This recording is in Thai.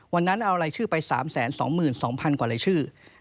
วันนั้นเอารายชื่อไป๓๒๒๐๐๐กว่ารายชื่อ